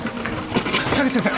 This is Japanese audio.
田口先生